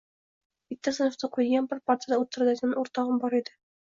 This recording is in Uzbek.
Bir sinfda o‘qiydigan, bir partada o‘tiradigan o‘rtog‘im bor edi.